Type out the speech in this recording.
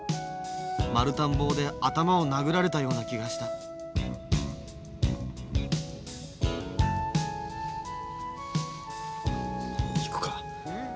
丸太ん棒で頭を殴られたような気がした行くか？